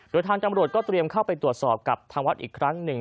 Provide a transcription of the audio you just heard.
โดยทางจำรวจก็เตรียมเข้าไปตรวจสอบกับทางวัดอีกครั้งหนึ่ง